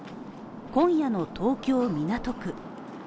今夜の東京・港区。